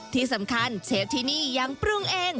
ที่สำคัญเชฟที่นี่ยังปรุงเอง